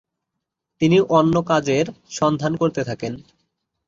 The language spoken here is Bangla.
তিনি অন্য কাজের সন্ধান করতে থাকেন।